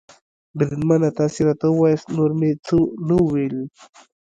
بریدمنه، تاسې راته ووایاست، نور مې څه و نه ویل.